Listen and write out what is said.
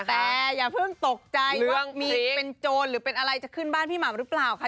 แต่อย่าเพิ่งตกใจว่ามีเป็นโจรหรือเป็นอะไรจะขึ้นบ้านพี่หม่ำหรือเปล่าค่ะ